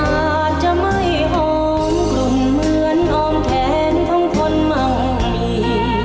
อาจจะไม่หอมกลุ่นเหมือนออมแขนของคนมั่งมี